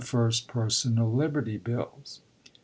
first personal liberty bills.